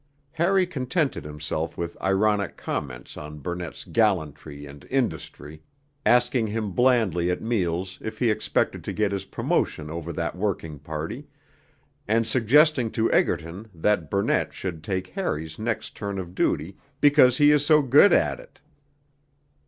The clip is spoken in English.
Harry contented himself with ironic comments on Burnett's 'gallantry' and 'industry,' asking him blandly at meals if he expected to get his promotion over that working party, and suggesting to Egerton that Burnett should take Harry's next turn of duty 'because he is so good at it.'